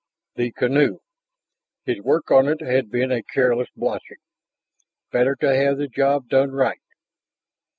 The canoe ... his work on it had been a careless botching. Better to have the job done right.